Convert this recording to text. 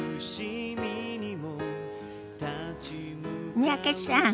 三宅さん